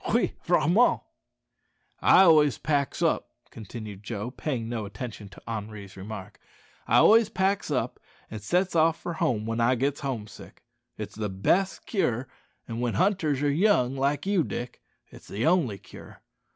Oui, vraiment." "I always packs up," continued Joe, paying no attention to Henri's remark "I always packs up an' sets off for home when I gits home sick. It's the best cure; an' when hunters are young like you, Dick, it's the only cure.